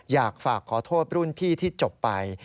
อยากฝากขอโทษรุ่นพี่ที่จบไป